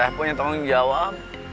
saya punya tanggung jawab